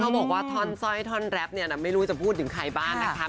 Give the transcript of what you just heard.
บอกว่าท่อนสร้อยท่อนแรปเนี่ยนะไม่รู้จะพูดถึงใครบ้างนะคะ